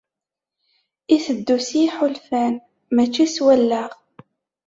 Iteddu s yiḥulfan mačči s wallaɣ.